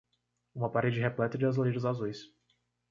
Uma parede repleta de azulejos azuis